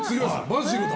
バジルだ。